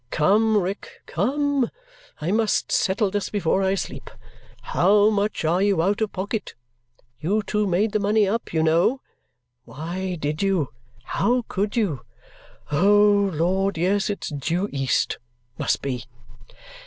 "Come, Rick, come! I must settle this before I sleep. How much are you out of pocket? You two made the money up, you know! Why did you? How could you? Oh, Lord, yes, it's due east must be!"